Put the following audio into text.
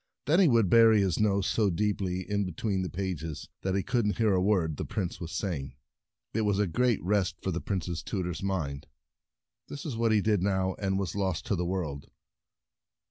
Then he would bury his nose so deeply in between the pages that he couldn't hear a word the Prince was saying. It was A Good Title Deaf 20 The Prince To the a great rest for the Prince's World tutor's mind. This is what he did now and was lost to the world.